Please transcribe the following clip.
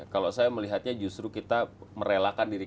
kalau saya melihatnya justru kita merelakan diri kita